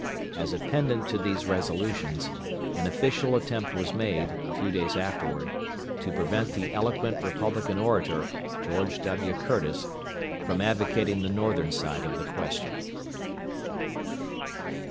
As a pendant to these resolutions, an official attempt was made, a few days afterward, to prevent the eloquent Republican orator, George W. Curtis, from advocating the Northern side of the question.